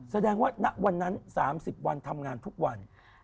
แสดงว่าณวันนั้น๓๐วันทำงานทุกวัน